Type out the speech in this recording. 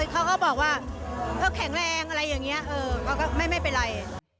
เขาก็บอกว่าเขาแข็งแรงอะไรอย่างนี้เขาก็ไม่เป็นไร